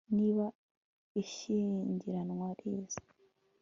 niba ishyingiranwa riza